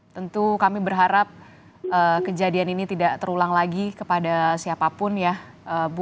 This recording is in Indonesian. tentu kami berharap kejadian ini tidak terulang lagi kepada siapapun ya bu